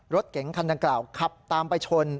รถเก๋งคันดังกล่าวขับตามไปชน